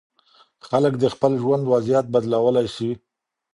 خلک د خپل ژوند وضعیت بدلولی سي.